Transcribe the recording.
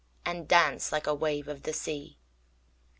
'And dance like a wave of the sea.